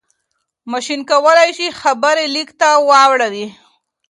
ماشين کولای شي خبرې ليک ته واړوي.